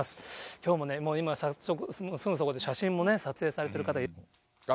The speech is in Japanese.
きょうも今、早速、すぐそこで写真も撮影されてる方。